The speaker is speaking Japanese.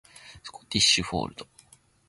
スコティッシュフォールド